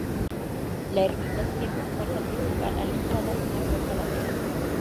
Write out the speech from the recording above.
La ermita tiene una puerta principal a la entrada y una puerta lateral.